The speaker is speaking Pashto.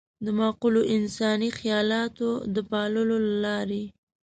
د معقولو انساني خيالاتو د پاللو له لارې.